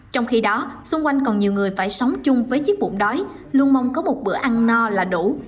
trong khi đó xung quanh còn nhiều người phải sống chung với chiếc bụng đói luôn mong có một bữa ăn no là đủ